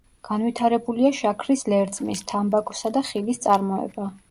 განვითარებულია შაქრის ლერწმის, თამბაქოსა და ხილის წარმოება.